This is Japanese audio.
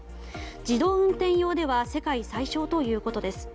自動運転用では世界最小ということです。